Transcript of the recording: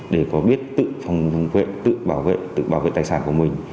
để có biết tự vệ tự bảo vệ tự bảo vệ tài sản của mình